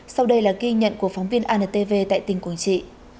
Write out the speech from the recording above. sau đây là ghi nhận của phóng viên antv tại tỉnh quảng trị